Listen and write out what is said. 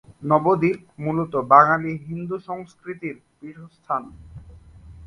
নবদ্বীপ মূলত বাঙালি হিন্দু সংস্কৃতির পীঠস্থান।